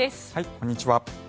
こんにちは。